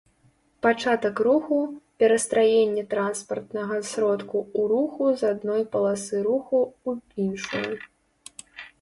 пачатак руху, перастраенне транспартнага сродку ў руху з адной паласы руху ў іншую